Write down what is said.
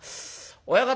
親方